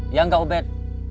iya gak ubed